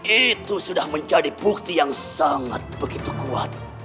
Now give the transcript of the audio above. itu sudah menjadi bukti yang sangat begitu kuat